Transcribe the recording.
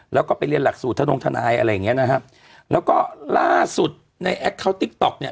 แล้วก็ไปเรียนหลักสูตรทะนงทนายอะไรอย่างเงี้นะฮะแล้วก็ล่าสุดในแอคเคาน์ติ๊กต๊อกเนี่ย